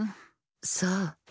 そう。